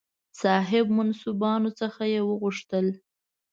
صاحب منصبانو څخه یې وغوښتل.